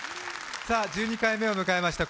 １２回目を迎えました